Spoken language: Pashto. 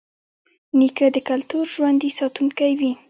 نیکه د کلتور ژوندي ساتونکی وي.